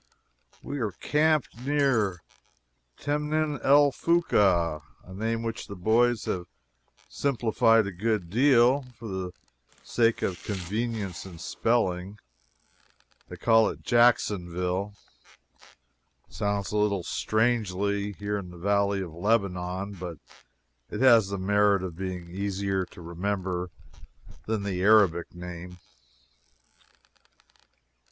We are camped near Temnin el Foka a name which the boys have simplified a good deal, for the sake of convenience in spelling. They call it Jacksonville. It sounds a little strangely, here in the Valley of Lebanon, but it has the merit of being easier to remember than the Arabic name.